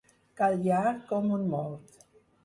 Callar com un mort.